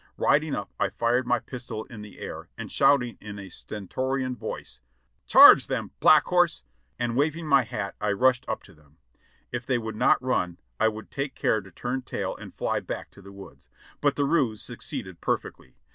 Riding up I fired my pistol in the air, and shouting in a stentorian voice ; "Charge them ! Black Horse I" and waving my hat I rushed up to them. If thev would not run, I would take care to turn tail and fly 678 JOHNNY REB AND BILLY YANK back to the woods. But the ruse succeeded perfectly.